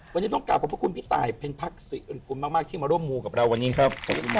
วันนี้ต้องกลับขอบพระคุณพี่ตายเพ็ญพักศิริกุลมากที่มาร่วมมูลกับเราวันนี้ครับ